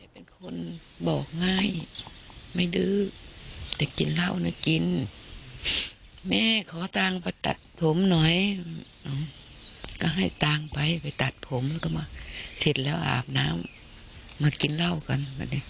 เป็นคนบอกง่ายไม่ดื้อแต่กินเหล้านะกินแม่ขอตังค์ไปตัดผมหน่อยก็ให้ตังค์ไปไปตัดผมแล้วก็มาเสร็จแล้วอาบน้ำมากินเหล้ากัน